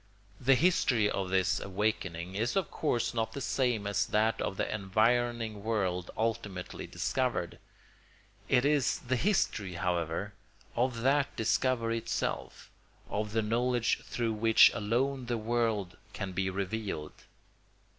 The history of this awakening is of course not the same as that of the environing world ultimately discovered; it is the history, however, of that discovery itself, of the knowledge through which alone the world can be revealed.